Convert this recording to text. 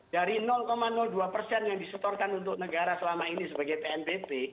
dari dua persen yang disetorkan untuk negara selama ini sebagai tnpt